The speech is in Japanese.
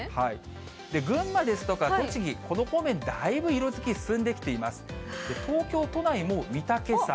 群馬ですとか栃木、この方面、だいぶ色づき進んできています。東京都内も御岳山。